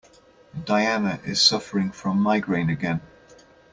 Diana is suffering from migraine again.